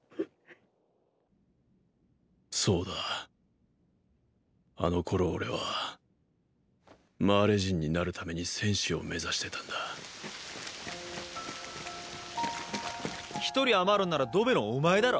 そうだあの頃俺はマーレ人になるために戦士を目指してたんだ一人余るんならドベのお前だろ？